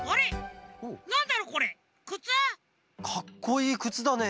かっこいいくつだね。